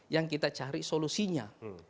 yang kita cari solusinya